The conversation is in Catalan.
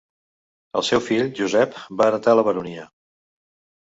El seu fill, Josep, va heretar la baronia.